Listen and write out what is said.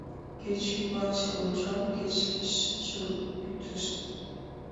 Кеч умбачын ончал, кеч лишычын кӱтышт.